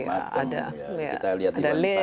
kita lihat di bandara ada lift dan sebagainya